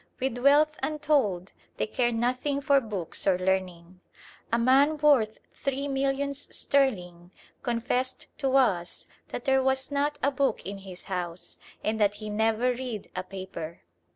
With wealth untold, they care nothing for books or learning. A man worth three millions sterling confessed to us that there was not a book in his house, and that he never read a paper.